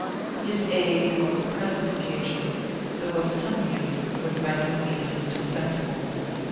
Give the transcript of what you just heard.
His aid, on the present occasion, though of some use, was by no means indispensable.